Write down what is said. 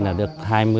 là được hai mươi